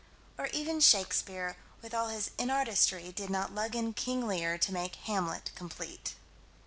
Or even Shakespeare, with all his inartistry, did not lug in King Lear to make Hamlet complete.